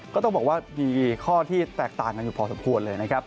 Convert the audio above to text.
ก็ต้องบอกว่ามีข้อที่แตกต่างกันอยู่พอสมควรเลยนะครับ